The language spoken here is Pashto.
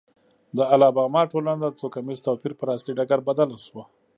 د الاباما ټولنه د توکمیز توپیر پر اصلي ډګر بدله شوه.